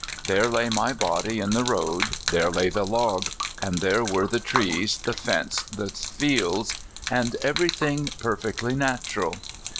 There lay my body in the road, there lay the log, and there were the trees, the fence, the fields, and every thing, perfectly natural.